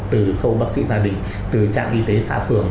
từ khâu bác sĩ gia đình trạng y tế xã phường